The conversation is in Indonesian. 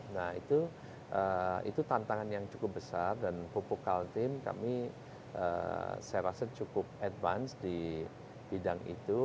nah itu tantangan yang cukup besar dan pupuk kaltim kami saya rasa cukup advance di bidang itu